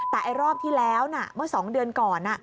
แต่รอบที่แล้วเมื่อ๒เดือนก่อน